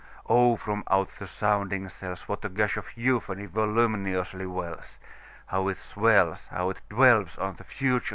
Oh, from out the sounding cells, What a gush of euphony voluminously wells! How it swells! How it dwellsOn the Future!